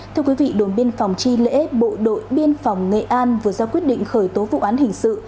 thưa quý vị đồn biên phòng tri lễ bộ đội biên phòng nghệ an vừa ra quyết định khởi tố vụ án hình sự